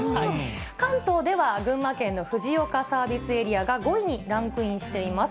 関東では群馬県の藤岡サービスエリアが５位にランクインしています。